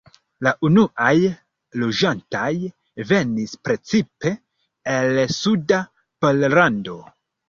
La unuaj loĝantoj venis precipe el suda Pollando.